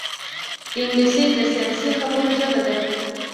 انګلیسي د سیاسي خبرو ژبه ده